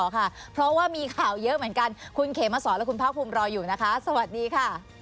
ได้บังส่วนจริง